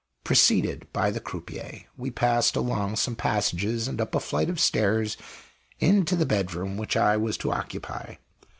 Preceded by the croupier, we passed along some passages and up a flight of stairs into the bedroom which I was to occupy.